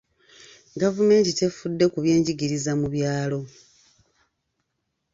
Gavumenti tefudde ku byenjigiriza mu byalo.